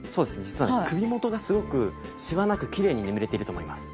実は首元がすごくシワなくきれいに眠れていると思います」